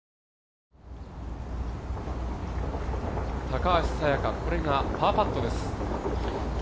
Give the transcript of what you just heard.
高橋彩華、これがパーパットです。